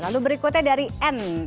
lalu berikutnya dari n